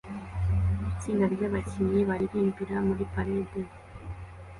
Itsinda ryababyinnyi baririmbira muri parade